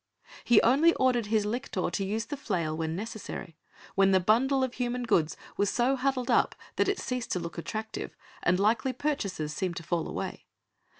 He only ordered his lictor to use the flail when necessary, when the bundle of human goods was so huddled up that it ceased to look attractive, and likely purchasers seemed to fall away.